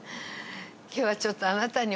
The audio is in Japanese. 今日はちょっと。